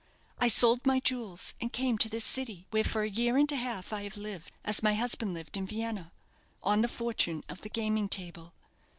I sold my jewels, and came to this city, where for a year and a half I have lived, as my husband lived in Vienna, on the fortune of the gaming table.